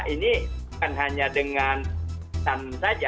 ini bukan hanya dengan hitam saja